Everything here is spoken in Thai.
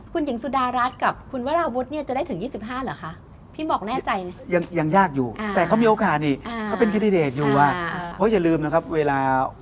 คุณหญิงสุดารัฐกับคุณวราวุฒิเนี่ยจะได้ถึง๒๕เหรอคะ